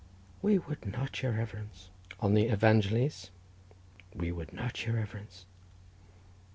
"We would not, your reverence." "On the evangiles?" "We would not, your reverence."